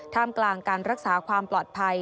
มกลางการรักษาความปลอดภัย